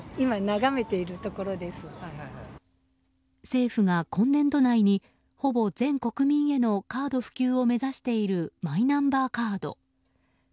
政府が今年度内にほぼ全国民へのカード普及を目指しているマイナンバーカード。